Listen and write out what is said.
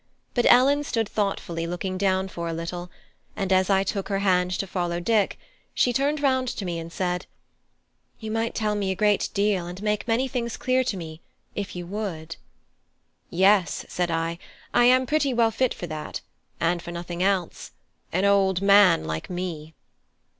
But Ellen stood thoughtfully looking down for a little, and as I took her hand to follow Dick, she turned round to me and said: "You might tell me a great deal and make many things clear to me, if you would." "Yes," said I, "I am pretty well fit for that, and for nothing else an old man like me."